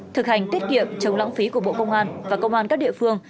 thực hành tiết kiệm chống lãng phí của bộ công an và công an các địa phương